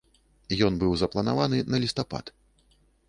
Ён быў запланаваны на лістапад.